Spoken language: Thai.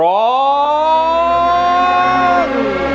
ด้วย